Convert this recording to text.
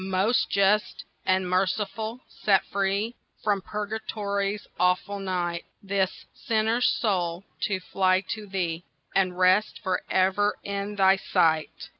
"Most Just and Merciful, set free From Purgatory's awful night This sinner's soul, to fly to Thee, And rest for ever in Thy sight."